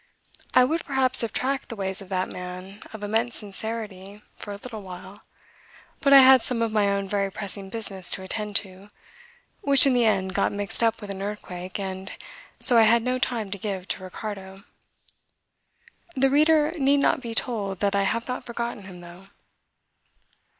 I would perhaps have tracked the ways of that man of immense sincerity for a little while, but I had some of my own very pressing business to attend to, which in the end got mixed up with an earthquake and so I had no time to give to Ricardo. The reader need not be told that I have not forgotten him, though.